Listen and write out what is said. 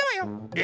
え